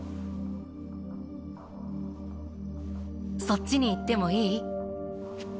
そっちに行ってもいい？